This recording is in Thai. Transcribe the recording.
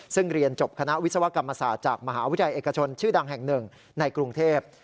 ซึ่งเรียนจบคณะวิศวกรรมศาสตร์จากมหาวิทยาลัยเอกชนชื่อดังแห่งหนึ่งในกรุงเทพ